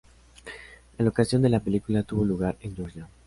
La locación de la película tuvo lugar en Georgia.